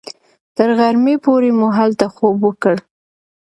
تر غرمې پورې مو هلته خوب وکړ.